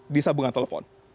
di sabungan telepon